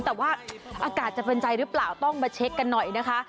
แต่ว่าอากาศจะเป็นใจหรือเปล่าต้องมาเช็คกันหน่อยนะคะ